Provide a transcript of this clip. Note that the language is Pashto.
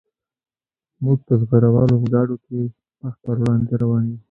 موږ په زغره والو ګاډو کې مخ په وړاندې روان وو